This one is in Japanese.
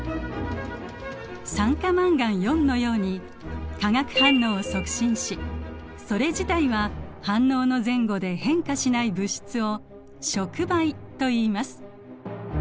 酸化マンガンのように化学反応を促進しそれ自体は反応の前後で変化しない物質を触媒といいます。